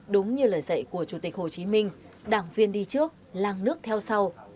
đúng như lời dạy của chủ tịch hồ chí minh đảng viên đi trước làng nước theo sau